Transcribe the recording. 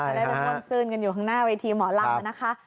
ได้เป็นคนซื่นอยู่ข้างหน้าเวทีหมอรังนะคะ